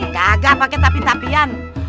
kagak pake tapi tapian